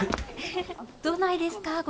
どないですか？